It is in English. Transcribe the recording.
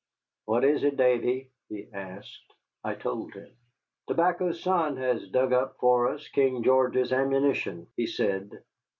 "What is it, Davy?" he asked. I told him. "Tobacco's Son has dug up for us King George's ammunition," he said.